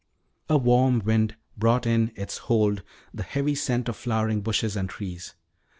A warm wind brought in its hold the heavy scent of flowering bushes and trees.